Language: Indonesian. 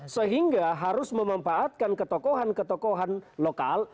sehingga harus memanfaatkan ketokohan ketokohan lokal